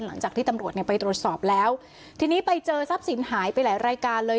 หลังจากที่ตำรวจเนี่ยไปตรวจสอบแล้วทีนี้ไปเจอทรัพย์สินหายไปหลายรายการเลย